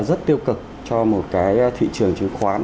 rất tiêu cực cho một cái thị trường chứng khoán